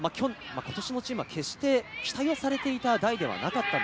今年のチーム、決して期待をされていた代ではなかった。